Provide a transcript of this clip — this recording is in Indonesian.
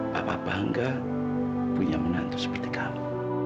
bapak bangga punya menantu seperti kamu